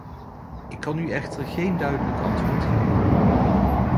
Ik kan u echter geen duidelijk antwoord geven.